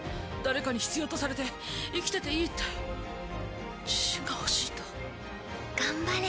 誰かに必要とされて生きてていいって自信が欲しいんだ。